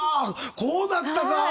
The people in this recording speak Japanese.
こうなったか。